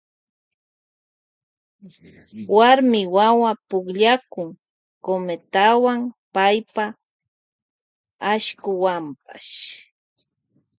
Warmi wawa pukllakun cometawan paypa ashkuwanpash.